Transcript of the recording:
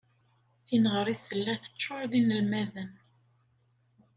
Tineɣrit tella teččur d inelmaden.